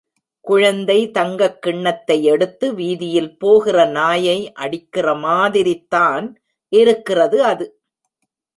குழந்தை தங்கக் கிண்ணத்தை எடுத்து வீதியில் போகிற நாயை அடிக்கிறமாதிரிதான் இருக்கிறது அது.